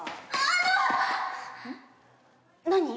何？